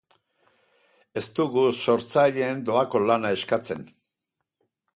Ez dugu sortzaileen doako lana eskatzen.